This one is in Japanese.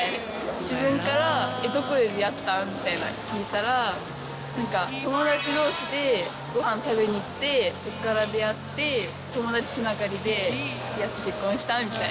自分から、どこで出会ったん？って聞いたら、なんか、友達どうしでごはん食べに行って、そこからであって、友達つながりでつきあって結婚したみたいな。